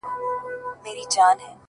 د کيف د ساز آواز په اهتزاز راځي جانانه’